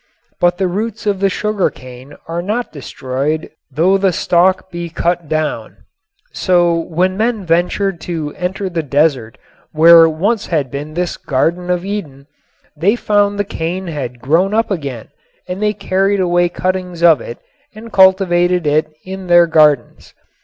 But the roots of the sugar cane are not destroyed though the stalk be cut down; so when men ventured to enter the desert where once had been this garden of Eden, they found the cane had grown up again and they carried away cuttings of it and cultivated it in their gardens.